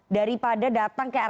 daripada datang ke rumah